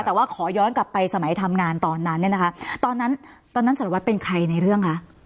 แต่ว่าขอย้อนกลับไปสมัยทำงานตอนนั้นเนี่ยนะคะตอนนั้นตอนนั้นสารวัตรเป็นใครในเรื่องคะ